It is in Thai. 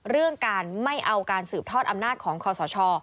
เรื่องการไม่เอาการสืบทอดอำนาจของคอสช